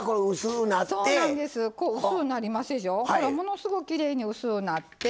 ほらものすごいきれいに薄うなって。